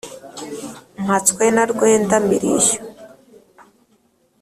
Mpatswe na Rwenda-mirishyo.